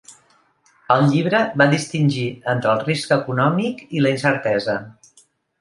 Al llibre, va distingir entre el risc econòmic i la incertesa.